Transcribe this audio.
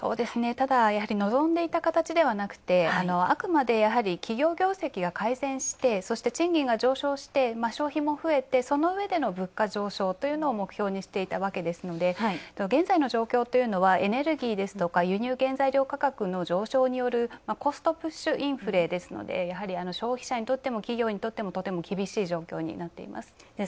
ただ、やはり望んでいた形ではなくてあくまで企業業績が改善してそして、賃金が上昇して消費も増えてそのうえでの物価上昇というのを目標にしていたわけですので、現在の状況というのはエネルギーですとか輸入原材料価格の上昇によるコストプッシュインフレですのでやはり消費者にとっても企業にとってもとても厳しい状況になっています。